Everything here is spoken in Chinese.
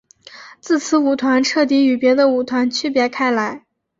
自此舞团彻底与别的舞团区别开来。